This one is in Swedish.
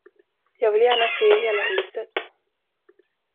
Jag vill gärna se hela huset.